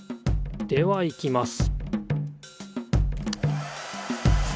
ではいきます